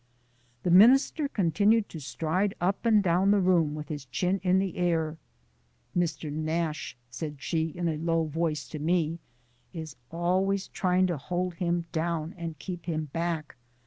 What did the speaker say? The minister continued to stride up and down the room with his chin in the air. "Mr. Nash," said she in a low voice to me, "is always trying to hold him down and keep him back.